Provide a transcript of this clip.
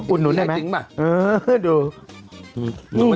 อุ่นได้ไหมอื้อดู